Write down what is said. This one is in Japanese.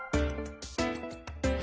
何？